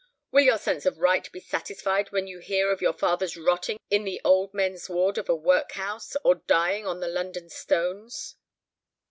Will your sense of right be satisfied when you hear of your father rotting in the old men's ward of a workhouse, or dying on the London stones?"